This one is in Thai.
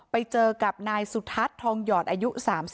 ไปเจอกับนายสุทัศน์ทองหยอดอายุ๓๒